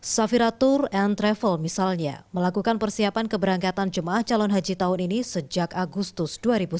safira tour and travel misalnya melakukan persiapan keberangkatan jemaah calon haji tahun ini sejak agustus dua ribu sembilan belas